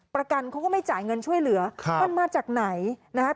ประกันเขาก็ไม่จ่ายเงินช่วยเหลือมันมาจากไหนนะครับ